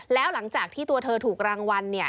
แล้วหลังจากที่ตัวเธอถูกรางวัล